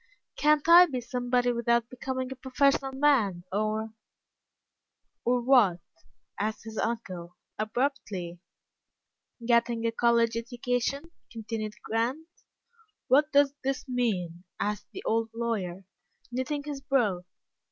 "Can't I be somebody without becoming a professional man, or " "Or, what?" asked his uncle, abruptly. "Getting a college education?" continued Grant. "What does this mean?" asked the old lawyer, knitting his brow.